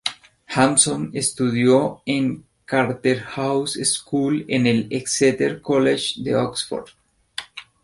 Hampson estudió en la Charterhouse School y en el Exeter College de Oxford.